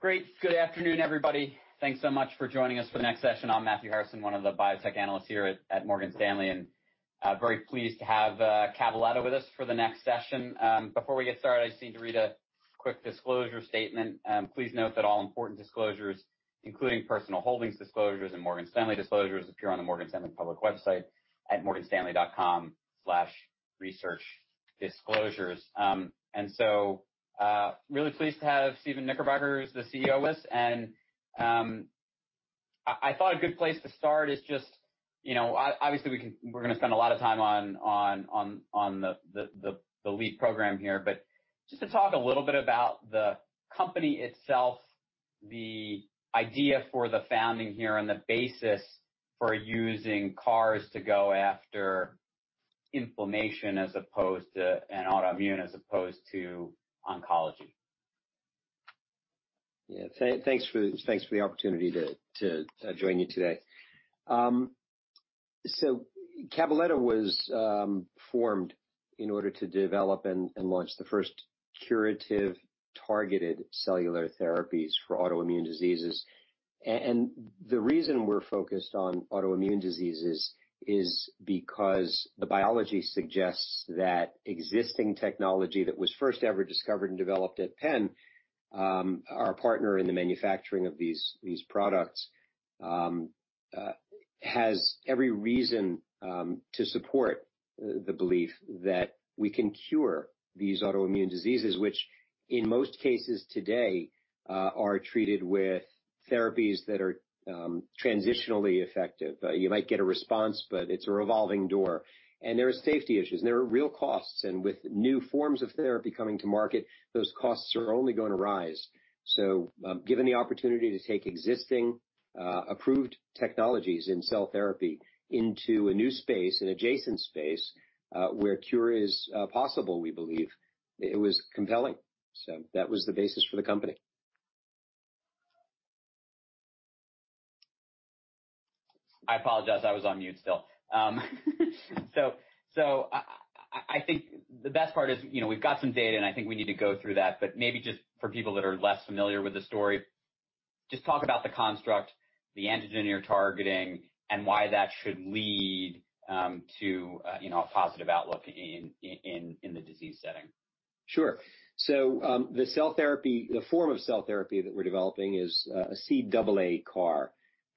Great. Good afternoon, everybody. Thanks so much for joining us for the next session. I'm Matthew Harrison, one of the biotech analysts here at Morgan Stanley, and very pleased to have Cabaletta with us for the next session. Before we get started, I just need to read a quick disclosure statement. Please note that all important disclosures, including personal holdings disclosures and Morgan Stanley disclosures, appear on the Morgan Stanley public website at morganstanley.com/researchdisclosures. Really pleased to have Steven Nichtberger, who's the CEO with us, and I thought a good place to start is just, obviously, we're going to spend a lot of time on the lead program here, but just to talk a little bit about the company itself, the idea for the founding here, and the basis for using CARs to go after inflammation and autoimmune as opposed to oncology. Yeah. Thanks for the opportunity to join you today. Cabaletta was formed in order to develop and launch the first curative targeted cellular therapies for autoimmune diseases, and the reason we're focused on autoimmune diseases is because the biology suggests that existing technology that was first ever discovered and developed at Penn, our partner in the manufacturing of these products, has every reason to support the belief that we can cure these autoimmune diseases. Which in most cases today are treated with therapies that are transitionally effective. You might get a response, but it's a revolving door, and there are safety issues, and there are real costs, and with new forms of therapy coming to market, those costs are only going to rise. Given the opportunity to take existing approved technologies in cell therapy into a new space, an adjacent space, where cure is possible, we believe, it was compelling. That was the basis for the company. I apologize. I was on mute still. I think the best part is, we've got some data, and I think we need to go through that, but maybe just for people that are less familiar with the story, just talk about the construct, the antigen you're targeting, and why that should lead to a positive outlook in the disease setting. Sure. The form of cell therapy that we're developing is a CABA-CAART,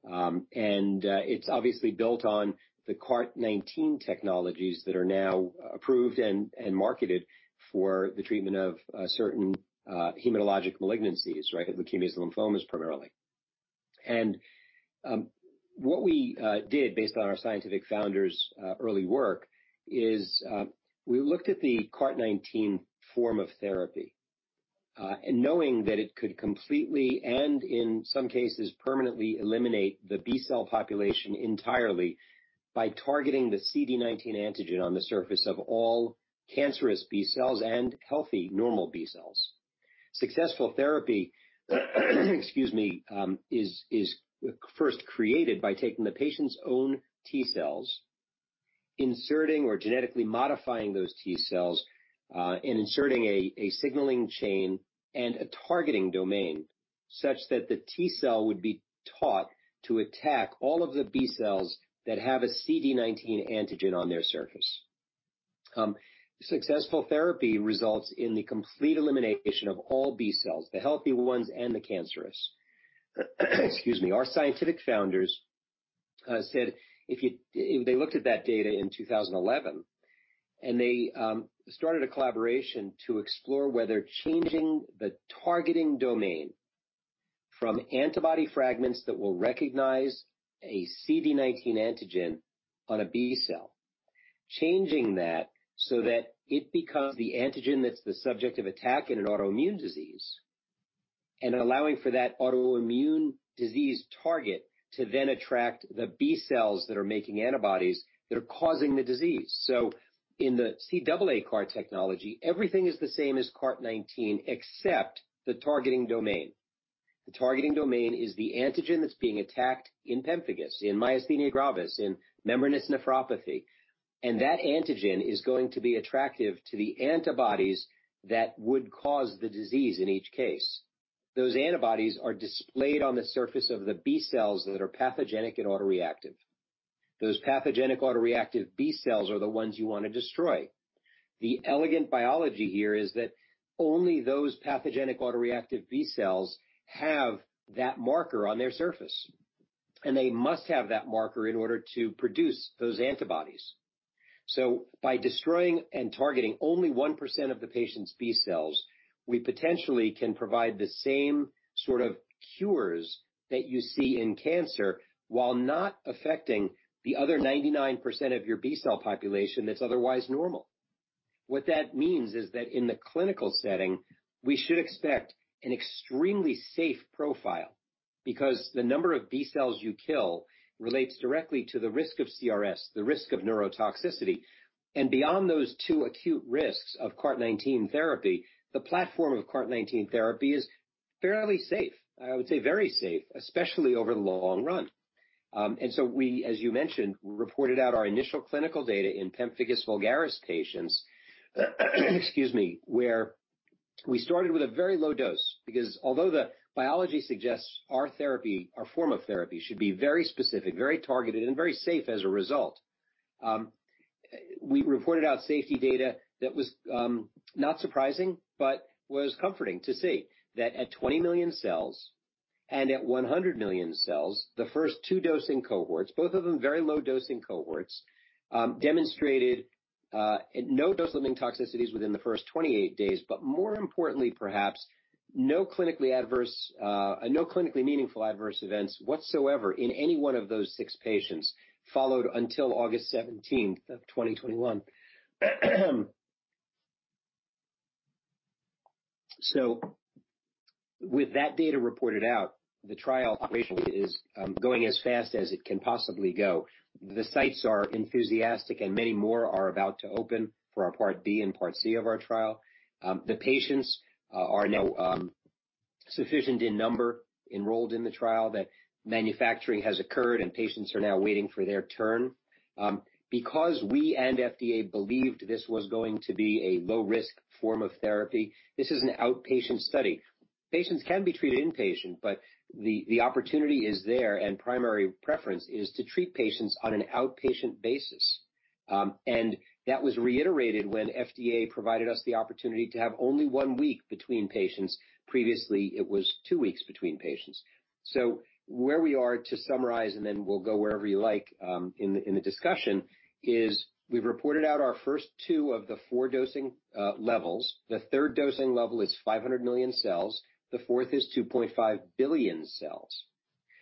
and it's obviously built on the CART19 technologies that are now approved and marketed for the treatment of certain hematologic malignancies, right? Leukemias, lymphomas primarily. What we did, based on our scientific founders' early work, is we looked at the CART19 form of therapy, and knowing that it could completely, and in some cases permanently eliminate the B-cell population entirely by targeting the CD19 antigen on the surface of all cancerous B cells and healthy normal B cells. Successful therapy, excuse me, is first created by taking the patient's own T cells, inserting or genetically modifying those T cells, and inserting a signaling chain and a targeting domain such that the T cell would be taught to attack all of the B cells that have a CD19 antigen on their surface. Successful therapy results in the complete elimination of all B cells, the healthy ones and the cancerous. Excuse me. Our scientific founders said they looked at that data in 2011, and they started a collaboration to explore whether changing the targeting domain from antibody fragments that will recognize a CD19 antigen on a B cell, changing that so that it becomes the antigen that's the subject of attack in an autoimmune disease, and allowing for that autoimmune disease target to then attract the B cells that are making antibodies that are causing the disease. In the CABA-CAART technology, everything is the same as CART19, except the targeting domain. The targeting domain is the antigen that's being attacked in pemphigus, in myasthenia gravis, in membranous nephropathy, and that antigen is going to be attractive to the antibodies that would cause the disease in each case. Those antibodies are displayed on the surface of the B cells that are pathogenic and autoreactive. Those pathogenic autoreactive B cells are the ones you want to destroy. The elegant biology here is that only those pathogenic autoreactive B cells have that marker on their surface, and they must have that marker in order to produce those antibodies. By destroying and targeting only 1% of the patient's B cells, we potentially can provide the same sort of cures that you see in cancer while not affecting the other 99% of your B-cell population that's otherwise normal. What that means is that in the clinical setting, we should expect an extremely safe profile because the number of B cells you kill relates directly to the risk of CRS, the risk of neurotoxicity, and beyond those two acute risks of CART19 therapy, the platform of CART19 therapy is fairly safe. I would say very safe, especially over the long run. We, as you mentioned, reported out our initial clinical data in pemphigus vulgaris patients, where we started with a very low dose, because although the biology suggests our form of therapy should be very specific, very targeted, and very safe as a result. We reported out safety data that was not surprising but was comforting to see, that at 20 million cells and at 100 million cells, the first two dosing cohorts, both of them very low dosing cohorts, demonstrated no dose-limiting toxicities within the first 28 days, but more importantly, perhaps, no clinically meaningful adverse events whatsoever in any one of those six patients followed until August 17, 2021. With that data reported out, the trial is going as fast as it can possibly go. The sites are enthusiastic and many more are about to open for our Part B and Part C of our trial. The patients are now sufficient in number enrolled in the trial that manufacturing has occurred, and patients are now waiting for their turn. Because we and FDA believed this was going to be a low-risk form of therapy, this is an outpatient study. Patients can be treated inpatient, but the opportunity is there and primary preference is to treat patients on an outpatient basis. That was reiterated when FDA provided us the opportunity to have only one week between patients. Previously, it was two weeks between patients. Where we are, to summarize, and then we'll go wherever you like in the discussion, is we've reported out our first two of the four dosing levels. The third dosing level is 500 million cells, the fourth is 2.5 billion cells.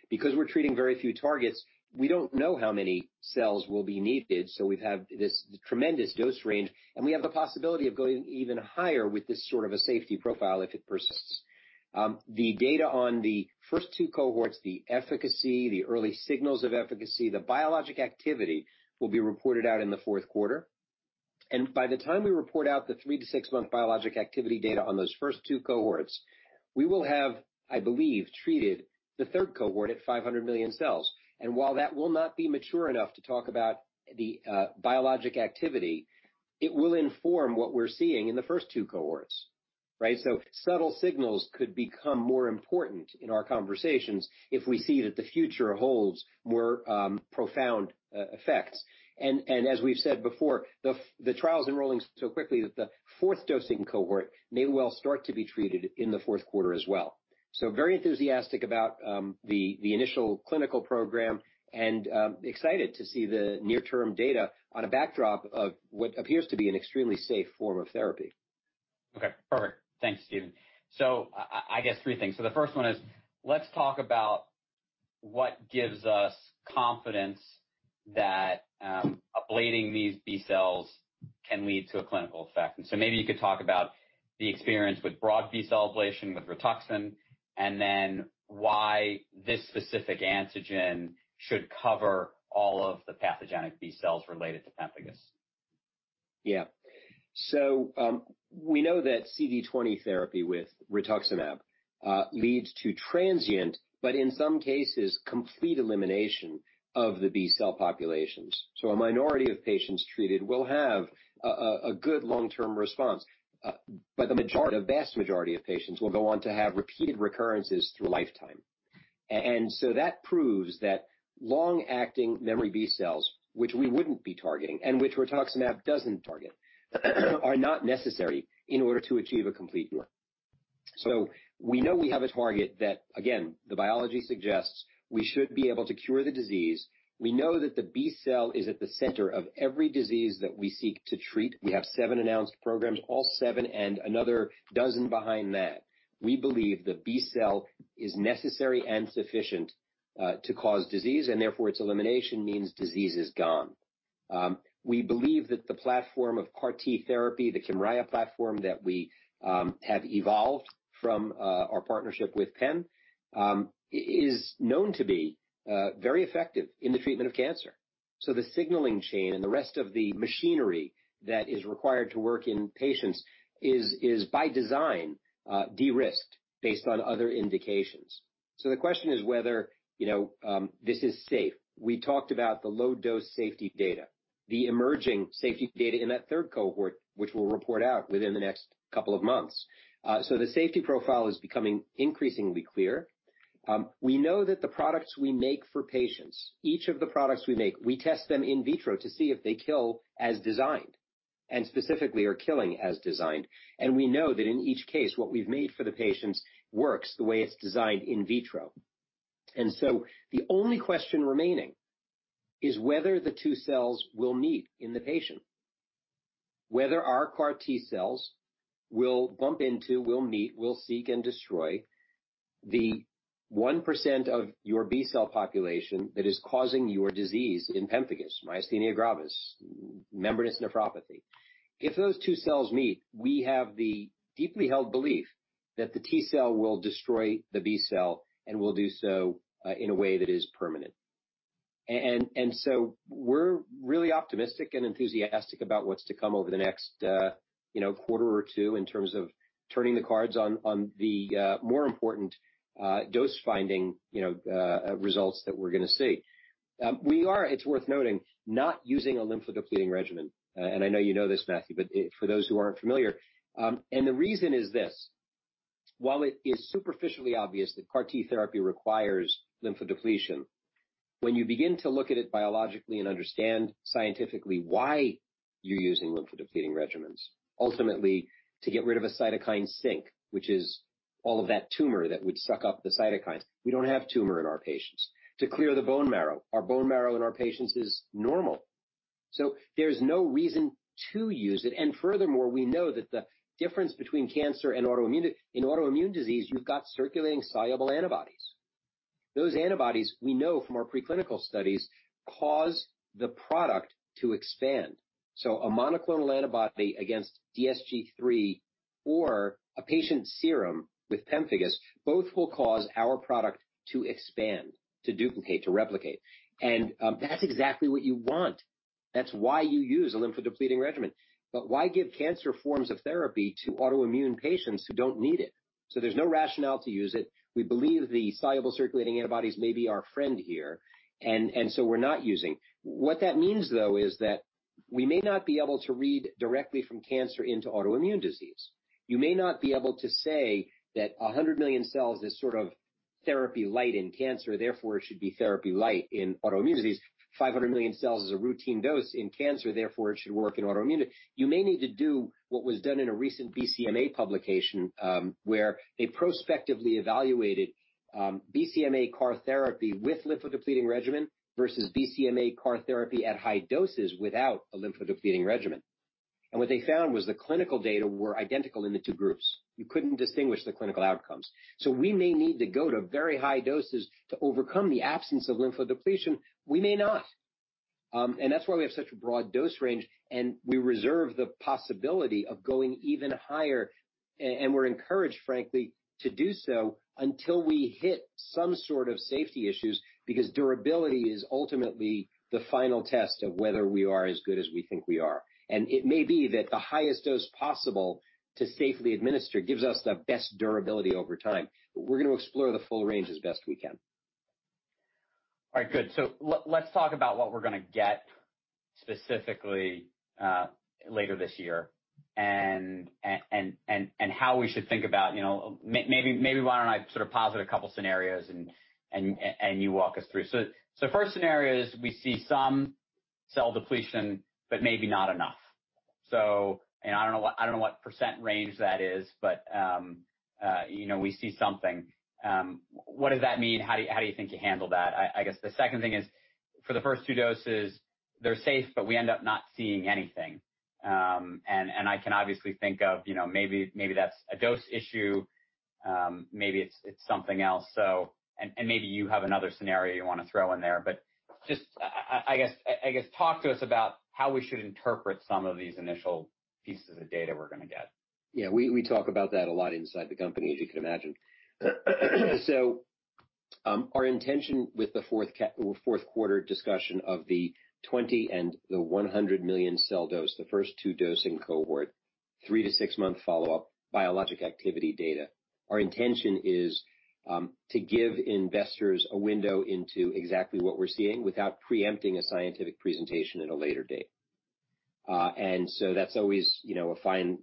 Because we're treating very few targets, we don't know how many cells will be needed, so we have this tremendous dose range, and we have the possibility of going even higher with this sort of a safety profile if it persists. The data on the first two cohorts, the efficacy, the early signals of efficacy, the biologic activity, will be reported out in the fourth quarter. By the time we report out the three- to six-month biologic activity data on those first two cohorts, we will have, I believe, treated the third cohort at 500 million cells. While that will not be mature enough to talk about the biologic activity, it will inform what we're seeing in the first two cohorts. Subtle signals could become more important in our conversations if we see that the future holds more profound effects. As we've said before, the trial's enrolling so quickly that the fourth dosing cohort may well start to be treated in the fourth quarter as well. Very enthusiastic about the initial clinical program and excited to see the near-term data on a backdrop of what appears to be an extremely safe form of therapy. Okay, perfect. Thanks, Steven. I guess three things. The first one is, let's talk about what gives us confidence that ablating these B cells can lead to a clinical effect. Maybe you could talk about the experience with broad B-cell ablation with RITUXAN, and then why this specific antigen should cover all of the pathogenic B cells related to pemphigus. Yeah. We know that CD20 therapy with rituximab leads to transient, but in some cases, complete elimination of the B-cell populations. A minority of patients treated will have a good long-term response. The vast majority of patients will go on to have repeated recurrences through lifetime. That proves that long-acting memory B cells, which we wouldn't be targeting, and which rituximab doesn't target, are not necessary in order to achieve a complete remission. We know we have a target that, again, the biology suggests we should be able to cure the disease. We know that the B cell is at the center of every disease that we seek to treat. We have seven announced programs, all seven and another dozen behind that. We believe the B cell is necessary and sufficient to cause disease, and therefore, its elimination means disease is gone. We believe that the platform of CAR T therapy, the KYMRIAH platform that we have evolved from our partnership with Penn, is known to be very effective in the treatment of cancer. The signaling chain and the rest of the machinery that is required to work in patients is by design, de-risked based on other indications. The question is whether this is safe. We talked about the low-dose safety data, the emerging safety data in that third cohort, which we'll report out within the next two months. The safety profile is becoming increasingly clear. We know that the products we make for patients, each of the products we make, we test them in vitro to see if they kill as designed, and specifically are killing as designed. We know that in each case, what we've made for the patients works the way it's designed in vitro. The only question remaining is whether the two cells will meet in the patient, whether our CAR T cells will bump into, will meet, will seek and destroy the 1% of your B-cell population that is causing your disease in pemphigus, myasthenia gravis, membranous nephropathy. If those two cells meet, we have the deeply held belief that the T cell will destroy the B cell and will do so in a way that is permanent. We're really optimistic and enthusiastic about what's to come over the next quarter or two in terms of turning the cards on the more important dose-finding results that we're going to see. We are, it's worth noting, not using a lymphodepleting regimen. I know you know this, Matthew, but for those who aren't familiar, the reason is this. While it is superficially obvious that CAR T therapy requires lymphodepletion, when you begin to look at it biologically and understand scientifically why you're using lymphodepleting regimens, ultimately, to get rid of a cytokine sink, which is all of that tumor that would suck up the cytokines. We don't have tumor in our patients. To clear the bone marrow. Our bone marrow in our patients is normal. There's no reason to use it. Furthermore, we know that the difference between cancer and autoimmune, in autoimmune disease, you've got circulating soluble antibodies. Those antibodies, we know from our preclinical studies, cause the product to expand. A monoclonal antibody against DSG3 or a patient's serum with pemphigus, both will cause our product to expand, to duplicate, to replicate. That's exactly what you want. That's why you use a lymphodepleting regimen. Why give cancer forms of therapy to autoimmune patients who don't need it? There's no rationale to use it. We believe the soluble circulating antibodies may be our friend here, we're not using. What that means, though, is that we may not be able to read directly from cancer into autoimmune disease. You may not be able to say that 100 million cells is sort of therapy light in cancer, therefore it should be therapy light in autoimmune disease. 500 million cells is a routine dose in cancer, therefore it should work in autoimmune. You may need to do what was done in a recent BCMA publication, where they prospectively evaluated BCMA CAR therapy with lymphodepleting regimen versus BCMA CAR therapy at high doses without a lymphodepleting regimen. What they found was the clinical data were identical in the two groups. You couldn't distinguish the clinical outcomes. We may need to go to very high doses to overcome the absence of lymphodepletion. We may not. That's why we have such a broad dose range, and we reserve the possibility of going even higher. We're encouraged, frankly, to do so until we hit some sort of safety issues because durability is ultimately the final test of whether we are as good as we think we are. It may be that the highest dose possible to safely administer gives us the best durability over time. We're going to explore the full range as best we can. All right. Good. Let's talk about what we're going to get specifically later this year and how we should think about Maybe why don't I sort of posit a couple scenarios and you walk us through. First scenario is we see some cell depletion, but maybe not enough. I don't know what percentage range that is, but we see something. What does that mean? How do you think you handle that? I guess the second thing is for the first two doses, they're safe, but we end up not seeing anything. I can obviously think of maybe that's a dose issue. Maybe it's something else. Maybe you have another scenario you want to throw in there. Just, I guess, talk to us about how we should interpret some of these initial pieces of data we're going to get. Yeah, we talk about that a lot inside the company, as you can imagine. Our intention with the fourth quarter discussion of the 20 and the 100 million cell dose, the first two dosing cohort, three to six-month follow-up biologic activity data. Our intention is to give investors a window into exactly what we're seeing without preempting a scientific presentation at a later date. That's always a fine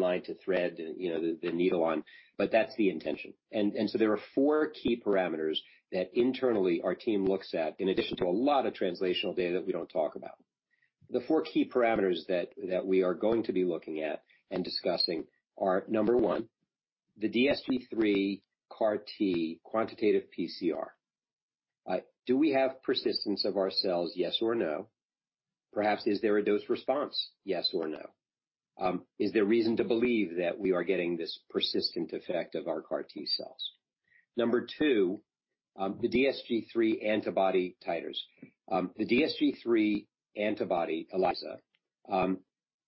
line to thread the needle on, but that's the intention. There are four key parameters that internally our team looks at, in addition to a lot of translational data that we don't talk about. The four key parameters that we are going to be looking at and discussing are, number one, the DSG3-CAART quantitative PCR. Do we have persistence of our cells? Yes or no? Perhaps, is there a dose response? Yes or no? Is there reason to believe that we are getting this persistent effect of our CAR T cells? Number two, the DSG3 antibody titers. The DSG3 antibody, ELISA,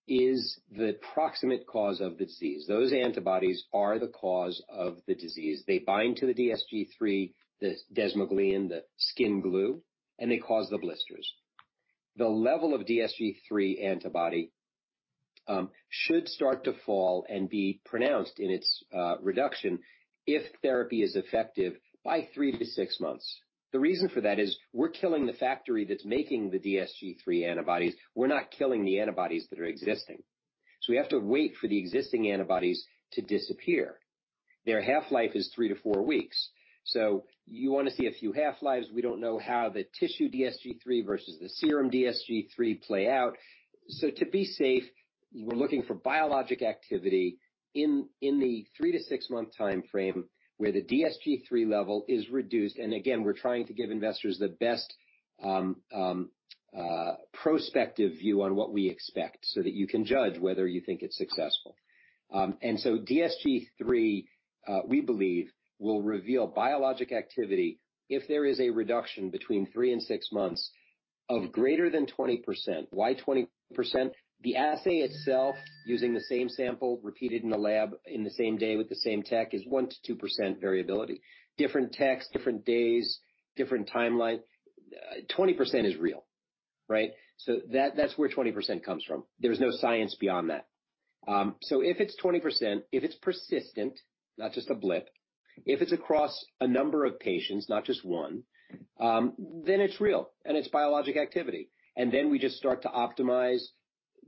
is the proximate cause of the disease. Those antibodies are the cause of the disease. They bind to the DSG3, the desmoglein, the skin glue, and they cause the blisters. The level of DSG3 antibody should start to fall and be pronounced in its reduction if therapy is effective by three to six months. The reason for that is we're killing the factory that's making the DSG3 antibodies. We're not killing the antibodies that are existing. We have to wait for the existing antibodies to disappear. Their half-life is three to four weeks. You want to see a few half-lives. We don't know how the tissue DSG3 versus the serum DSG3 play out. To be safe, we're looking for biologic activity in the three- to six-month timeframe where the DSG3 level is reduced. Again, we're trying to give investors the best prospective view on what we expect so that you can judge whether you think it's successful. DSG3, we believe, will reveal biologic activity if there is a reduction between three and six months of greater than 20%. Why 20%? The assay itself, using the same sample repeated in the lab in the same day with the same tech, is 1% to 2% variability. Different techs, different days, different timeline, 20% is real. Right. That's where 20% comes from. There's no science beyond that. If it's 20%, if it's persistent, not just a blip, if it's across a number of patients, not just one, then it's real and it's biologic activity. We just start to optimize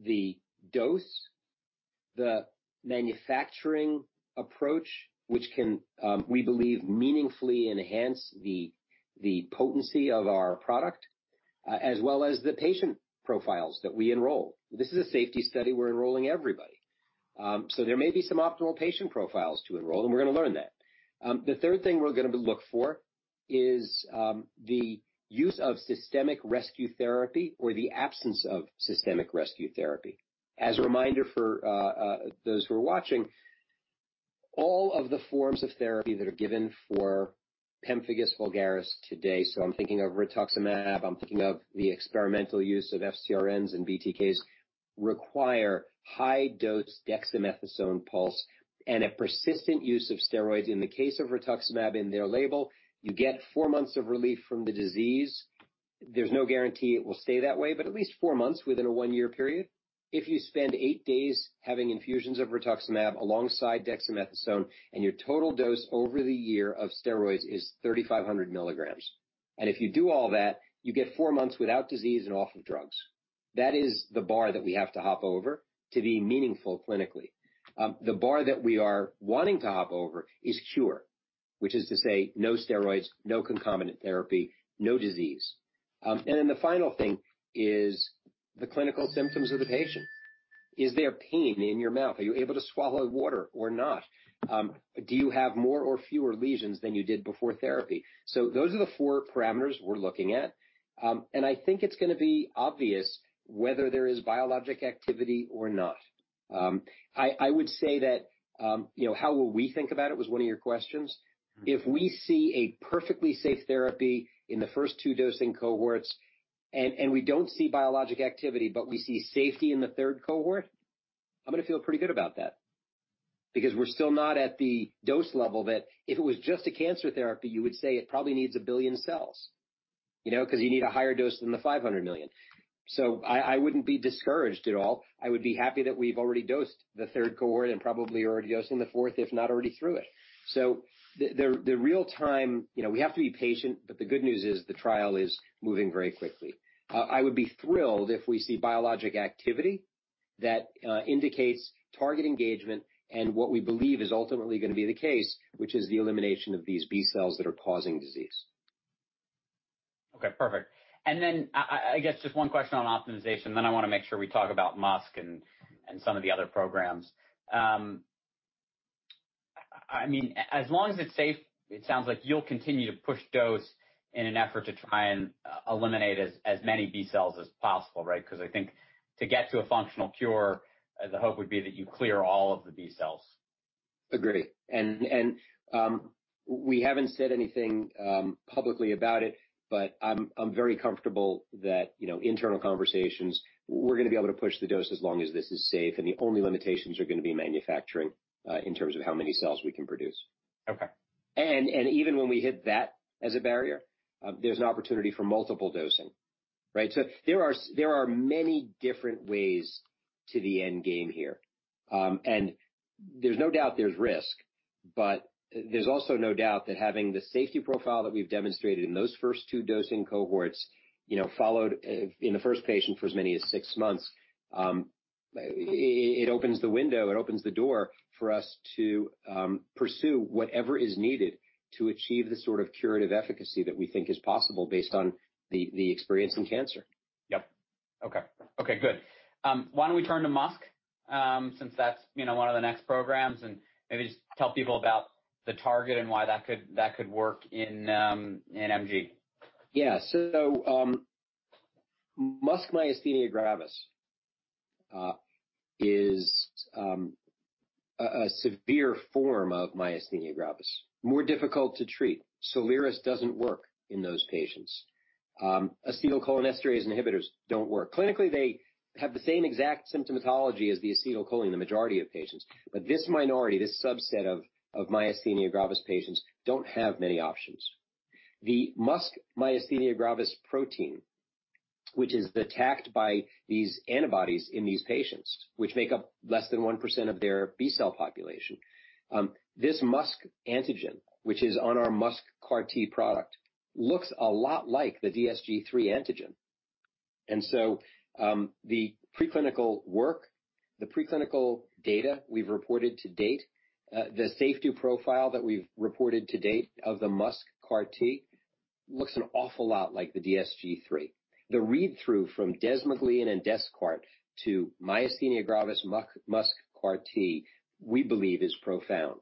the dose, the manufacturing approach, which can, we believe meaningfully enhance the potency of our product, as well as the patient profiles that we enroll. This is a safety study, we're enrolling everybody. There may be some optimal patient profiles to enroll, and we're going to learn that. The third thing we're going to look for is the use of systemic rescue therapy or the absence of systemic rescue therapy. As a reminder for those who are watching, all of the forms of therapy that are given for pemphigus vulgaris today, so I'm thinking of rituximab, I'm thinking of the experimental use of FcRns and BTKs, require high-dose dexamethasone pulse and a persistent use of steroids. In the case of rituximab in their label, you get four months of relief from the disease. There's no guarantee it will stay that way, but at least four months within a one-year period. If you spend eight days having infusions of rituximab alongside dexamethasone and your total dose over the year of steroids is 3,500 milligrams. If you do all that, you get four months without disease and off of drugs. That is the bar that we have to hop over to be meaningful clinically. The bar that we are wanting to hop over is cure, which is to say no steroids, no concomitant therapy, no disease. The final thing is the clinical symptoms of the patient. Is there pain in your mouth? Are you able to swallow water or not? Do you have more or fewer lesions than you did before therapy? Those are the four parameters we're looking at. I think it's going to be obvious whether there is biologic activity or not. I would say that how will we think about it was one of your questions. If we see a perfectly safe therapy in the first two dosing cohorts, and we don't see biologic activity, but we see safety in the third cohort, I'm going to feel pretty good about that because we're still not at the dose level that if it was just a cancer therapy, you would say it probably needs 1 billion cells, because you need a higher dose than the 500 million. I wouldn't be discouraged at all. I would be happy that we've already dosed the third cohort and probably already dosing the fourth, if not already through it. The real-time, we have to be patient, but the good news is the trial is moving very quickly. I would be thrilled if we see biologic activity that indicates target engagement and what we believe is ultimately going to be the case, which is the elimination of these B cells that are causing disease. Okay, perfect. I guess just 1 question on optimization, then I want to make sure we talk about MuSK and some of the other programs. As long as it's safe, it sounds like you'll continue to push dose in an effort to try and eliminate as many B cells as possible, right? Because I think to get to a functional cure, the hope would be that you clear all of the B cells. Agree. We haven't said anything publicly about it, but I'm very comfortable that internal conversations, we're going to be able to push the dose as long as this is safe, and the only limitations are going to be manufacturing in terms of how many cells we can produce. Okay. Even when we hit that as a barrier, there's an opportunity for multiple dosing, right? There are many different ways to the end game here. There's no doubt there's risk, but there's also no doubt that having the safety profile that we've demonstrated in those first two dosing cohorts, followed in the first patient for as many as six months, it opens the window, it opens the door for us to pursue whatever is needed to achieve the sort of curative efficacy that we think is possible based on the experience in cancer. Yep. Okay. Okay, good. Why don't we turn to MuSK, since that's one of the next programs, and maybe just tell people about the target and why that could work in MG. Yeah. MuSK myasthenia gravis is a severe form of myasthenia gravis, more difficult to treat. SOLIRIS doesn't work in those patients. Acetylcholinesterase inhibitors don't work. Clinically, they have the same exact symptomatology as the acetylcholine in the majority of patients. This minority, this subset of myasthenia gravis patients don't have many options. The MuSK myasthenia gravis protein, which is attacked by these antibodies in these patients, which make up less than 1% of their B-cell population. This MuSK antigen, which is on our MuSK-CAART product, looks a lot like the DSG3 antigen. The preclinical work, the preclinical data we've reported to date, the safety profile that we've reported to date of the MuSK-CAART looks an awful lot like the DSG3. The read-through from desmoglein and DesCAARTes to myasthenia gravis MuSK-CAART, we believe is profound.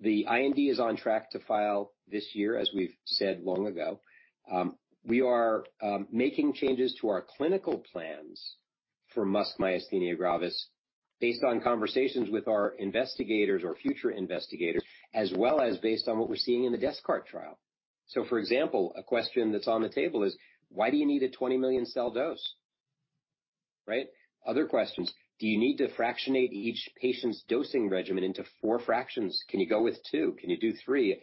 The IND is on track to file this year, as we've said long ago. We are making changes to our clinical plans for MuSK myasthenia gravis based on conversations with our investigators or future investigators, as well as based on what we're seeing in the DesCAARTes trial. For example, a question that's on the table is why do you need a 20 million cell dose? Right. Other questions, do you need to fractionate each patient's dosing regimen into four fractions? Can you go with two? Can you do three?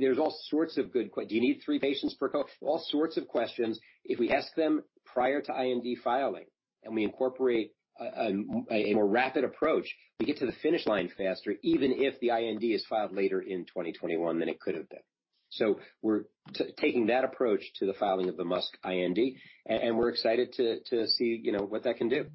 There's all sorts of good que-- do you need three patients per co-- all sorts of questions. If we ask them prior to IND filing and we incorporate a more rapid approach, we get to the finish line faster, even if the IND is filed later in 2021 than it could have been. We're taking that approach to the filing of the MuSK IND, and we're excited to see what that can do.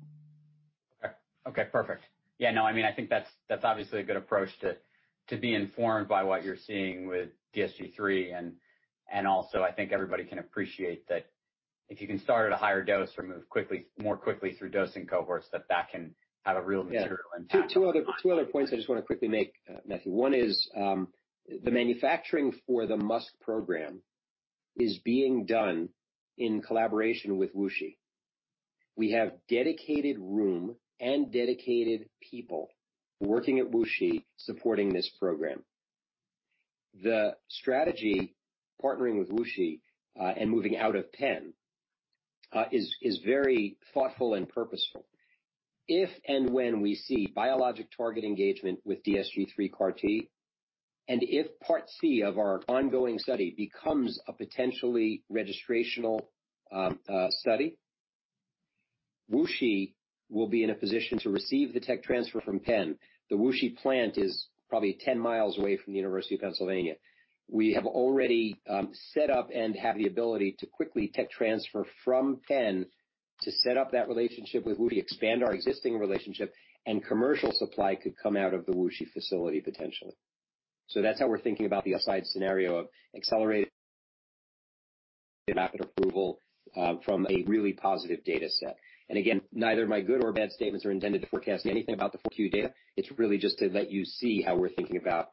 Okay, perfect. I think that's obviously a good approach to be informed by what you're seeing with DSG3, and also I think everybody can appreciate that if you can start at a higher dose or move more quickly through dosing cohorts, that can have a real material impact. Two other points I just want to quickly make, Matthew. One is, the manufacturing for the MuSK program is being done in collaboration with WuXi. We have dedicated room and dedicated people working at WuXi supporting this program. The strategy partnering with WuXi, and moving out of Penn, is very thoughtful and purposeful. If and when we see biologic target engagement with DSG3-CAART, and if Part C of our ongoing study becomes a potentially registrational study, WuXi will be in a position to receive the tech transfer from Penn. The WuXi plant is probably 10 miles away from the University of Pennsylvania. We have already set up and have the ability to quickly tech transfer from Penn to set up that relationship with WuXi, expand our existing relationship, and commercial supply could come out of the WuXi facility potentially. That's how we're thinking about the upside scenario of accelerated rapid approval from a really positive data set. Again, neither my good or bad statements are intended to forecast anything about the Q4 data. It's really just to let you see how we're thinking about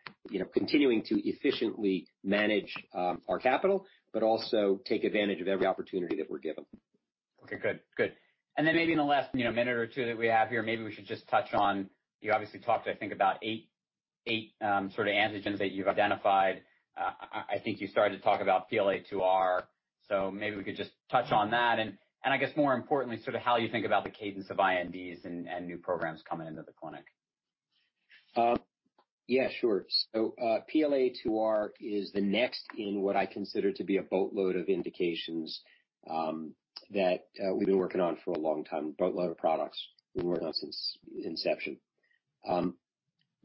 continuing to efficiently manage our capital, but also take advantage of every opportunity that we're given. Okay, good. Maybe in the last minute or two that we have here, maybe we should just touch on, you obviously talked, I think about eight antigens that you've identified. I think you started to talk about PLA2R, so maybe we could just touch on that and I guess more importantly, how you think about the cadence of INDs and new programs coming into the clinic. Yeah, sure. PLA2R is the next in what I consider to be a boatload of indications that we've been working on for a long time, boatload of products we've been working on since inception.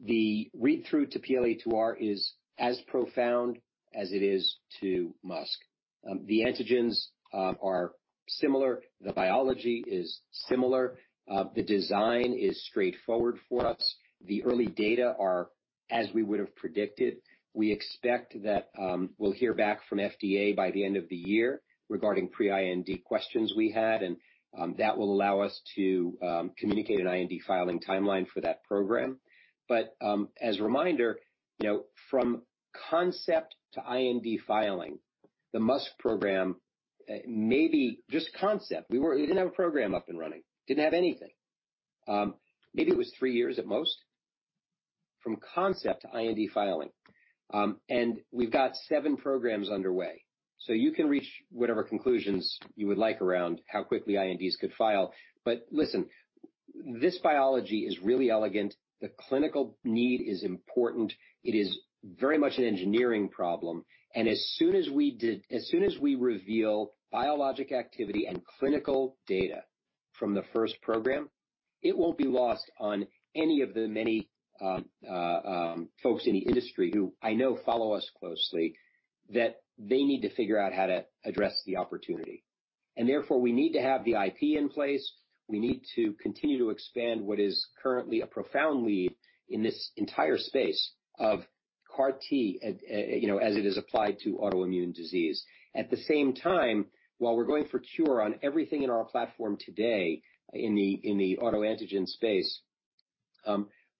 The read-through to PLA2R is as profound as it is to MuSK. The antigens are similar. The biology is similar. The design is straightforward for us. The early data are as we would've predicted. We expect that we'll hear back from FDA by the end of the year regarding pre-IND questions we had, and that will allow us to communicate an IND filing timeline for that program. As a reminder, from concept to IND filing, the MuSK program, maybe just concept, we didn't have a program up and running, didn't have anything. Maybe it was three years at most from concept to IND filing. We've got seven programs underway, you can reach whatever conclusions you would like around how quickly INDs could file. Listen, this biology is really elegant. The clinical need is important. It is very much an engineering problem, and as soon as we reveal biologic activity and clinical data from the first program, it won't be lost on any of the many folks in the industry who I know follow us closely, that they need to figure out how to address the opportunity. Therefore, we need to have the IP in place. We need to continue to expand what is currently a profound lead in this entire space of CAR T as it is applied to autoimmune disease. At the same time, while we're going for cure on everything in our platform today, in the autoantigen space,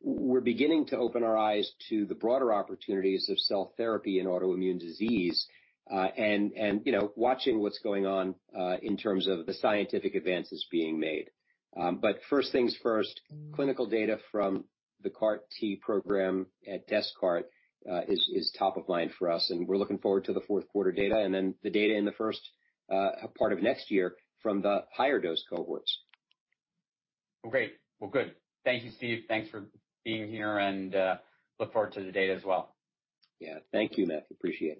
we're beginning to open our eyes to the broader opportunities of cell therapy in autoimmune disease, and watching what's going on in terms of the scientific advances being made. First things first, clinical data from the CAR T program at DesCAARTes is top of mind for us, and we're looking forward to the fourth quarter data and then the data in the first part of next year from the higher-dose cohorts. Well, great. Well, good. Thank you, Steve. Thanks for being here and look forward to the data as well. Yeah. Thank you, Matt. Appreciate it.